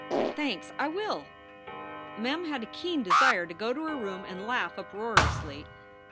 "Thanks, I will." Mem had a keen desire to go to her room and laugh uproariously.